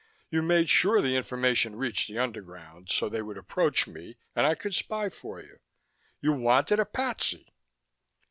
You made sure the information reached the underground, so they would approach me and I could spy for you. You wanted a patsy!"